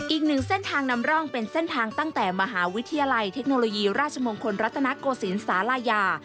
อีกหนึ่งเส้นทางนำร่องเป็นเส้นทางตั้งแต่มหาวิทยาลัยเทคโนโลยีราชมงคลรัตนโกศิลปศาลายา